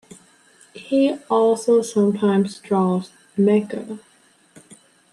He also sometimes draws mecha.